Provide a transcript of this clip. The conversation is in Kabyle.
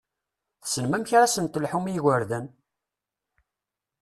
Tessnem amek ad sen-telḥum i yigurdan!